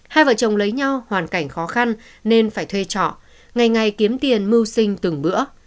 hai vợ chồng lấy nhau hoàn cảnh khó khăn nên phải thuê trọ ngày ngày kiếm tiền mưu sinh từng bữa